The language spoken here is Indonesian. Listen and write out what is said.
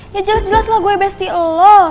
ya jelas jelas lah gue besti lo